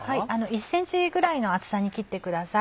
１ｃｍぐらいの厚さに切ってください。